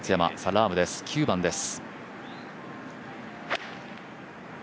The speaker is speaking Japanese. ラームです、９番です。